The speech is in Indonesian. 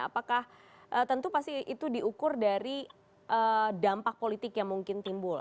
apakah tentu pasti itu diukur dari dampak politik yang mungkin timbul